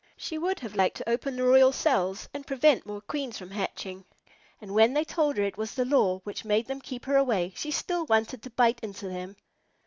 She would have liked to open the royal cells and prevent more Queens from hatching, and when they told her it was the law which made them keep her away, she still wanted to bite into them.